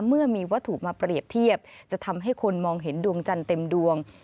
เมื่อมีวัตถุมาเปรียบเทียบจะทำให้คนมองเห็นดวงจันทร์เต็มดวง